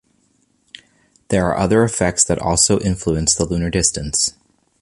There are other effects that also influence the lunar distance.